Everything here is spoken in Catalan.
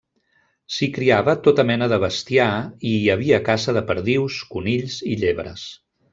S'hi criava tota mena de bestiar, i hi havia caça de perdius, conills i llebres.